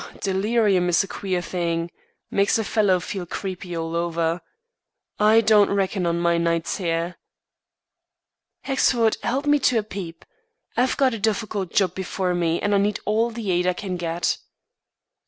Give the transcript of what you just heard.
delirium is a queer thing; makes a fellow feel creepy all over. I don't reckon on my nights here." "Hexford, help me to a peep. I've got a difficult job before me and I need all the aid I can get."